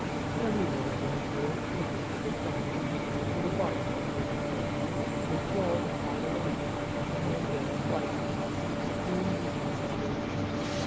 Every one of them rose quickly to the top, into the light and the open air. They crawled upon a lily pad and clung there, frightened, and feeling weak in all their knees.